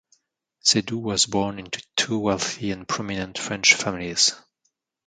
Seydoux was born into two wealthy and prominent French families.